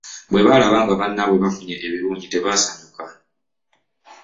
Bwebalaba bannabwe nga bafunye ebirungi tebasanyuka .